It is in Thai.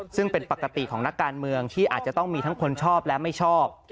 ซึ่งเป็นปกติของนักการเมืองที่อาจจะต้องมีทั้งคนชอบและไม่ชอบ